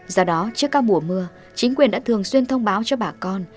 do đó trước các mùa mưa chính quyền đã thường xuyên thông báo cho bà con